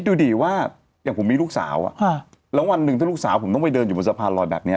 ดูดิว่าอย่างผมมีลูกสาวแล้ววันหนึ่งถ้าลูกสาวผมต้องไปเดินอยู่บนสะพานลอยแบบนี้